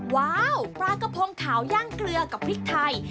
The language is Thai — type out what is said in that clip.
ว้าวปลากระพงขาวย่างเกลือกับพริกไทย